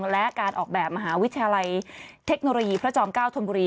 และการออกแบบมหาวิทยาลัยเทคโนโลยีพระจอม๙ธนบุรี